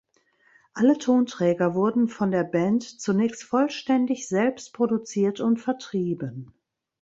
Alle Tonträger wurden von der Band zunächst vollständig selbst produziert und vertrieben.